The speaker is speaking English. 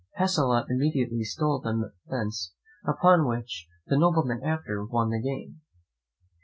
Pacolet immediately stole them from thence; upon which the nobleman soon after won the game.